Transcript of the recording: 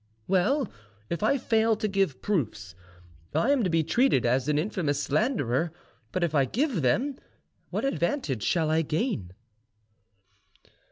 "Well, if I fail to give proofs, I am to be treated as an infamous slanderer; but if I give them, what advantage shall I gain?"